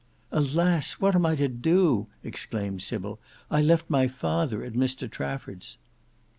"Alas! what am I to do!" exclaimed Sybil. "I left my father at Mr Trafford's!"